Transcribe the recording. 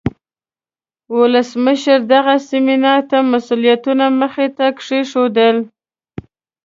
ولسمشر دغه سیمینار ته مسئولیتونه مخې ته کیښودل.